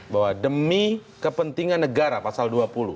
bahwa demi kepentingan negara pasal dua puluh